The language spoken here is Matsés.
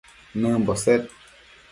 nëmbo sed